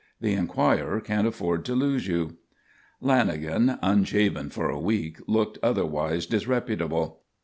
The Enquirer can't afford to lose you." Lanagan, unshaven for a week, looked otherwise disreputable.